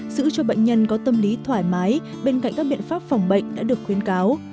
giữ cho bệnh nhân có tâm lý thoải mái bên cạnh các biện pháp phòng bệnh đã được khuyến cáo